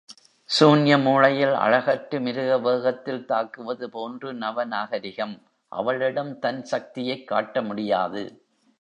சூன்ய மூளையில், அழகற்று மிருகவேகத்தில் தாக்குவது போன்று நவநாகரிகம், அவளிடம் தன் சக்தியைக் காட்டமுடியாது.